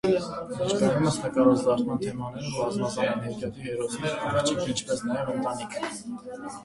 Ներկայումս նկարազարդման թեմաները բազմազան են՝ հեքիաթի հերոսներ, աղջիկ, ինչպես նաև ընտանիք։